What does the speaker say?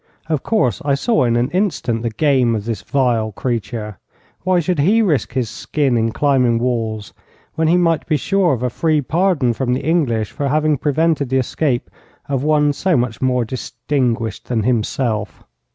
Of course, I saw in an instant the game of this vile creature. Why should he risk his skin in climbing walls when he might be sure of a free pardon from the English for having prevented the escape of one so much more distinguished than himself?